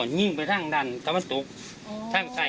ก็ชีกกระเป๋าเปร่งสีดำออกจากชุดเอว